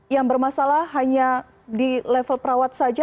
yang bermasalah hanya di level perawat saja